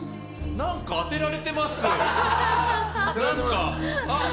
何か当てられてます。